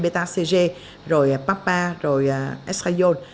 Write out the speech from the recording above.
tg rồi papa rồi escayol